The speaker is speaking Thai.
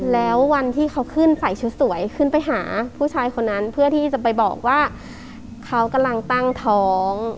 แล้ววันที่เขาขึ้นใส่ชุดสวยขึ้นไปหาผู้ชายคนนั้นเพื่อที่จะไปบอกว่าเขากำลังตั้งท้อง